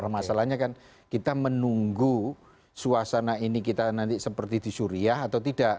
masalahnya kan kita menunggu suasana ini kita nanti seperti di suriah atau tidak